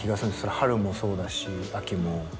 春もそうだし秋も。